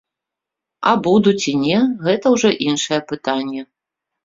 А буду ці не, гэта ўжо іншае пытанне.